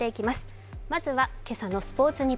まずは今朝のスポーツ